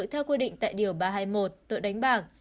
theo quy định tại điều ba trăm hai mươi một tội đánh bạc